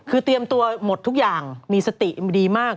คือเตรียมตัวหมดทุกอย่างมีสติดีมาก